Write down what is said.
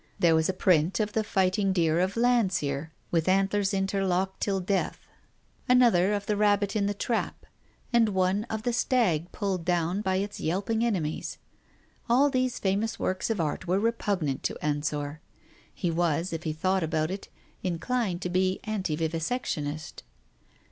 There was a print of the fighting deer of Landseer with antlers interlocked till death, another of the rabbit in the trap, and one of the stag pulled down by its yelping enemies. All these famous works of art were repugnant to Ensor. He was, if he thought about it, inclined to be anti vivisectionist.